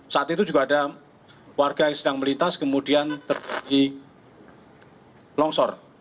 saat itu juga ada warga yang sedang melintas kemudian terjadi longsor